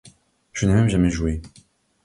Je n’ai même jamais joué.